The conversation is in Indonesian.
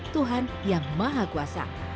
tuhan yang maha kuasa